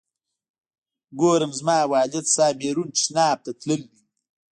ګورم زما والد صاحب بیرون تشناب ته تللی دی.